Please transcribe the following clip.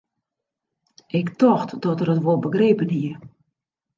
Ik tocht dat er it wol begrepen hie.